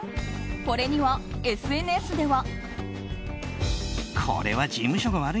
これには、ＳＮＳでは。